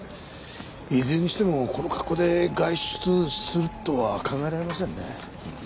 いずれにしてもこの格好で外出するとは考えられませんね。